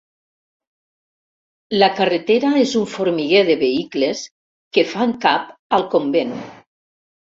La carretera és un formiguer de vehicles que fan cap al convent.